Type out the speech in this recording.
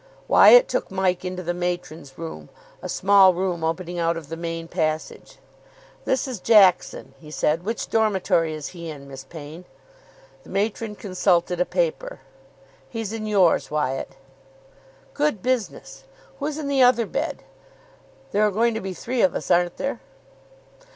Wyatt took Mike into the matron's room, a small room opening out of the main passage. "This is Jackson," he said. "Which dormitory is he in, Miss Payne?" The matron consulted a paper. "He's in yours, Wyatt." "Good business. Who's in the other bed? There are going to be three of us, aren't there?"